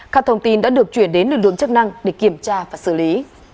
các thông tin đã được chuyển đến lực lượng chức năng để kiểm tra và xử lý